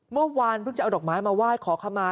เมื่อวานเพิ่งจะเอาดอกไม้มาไหว้ขอขมา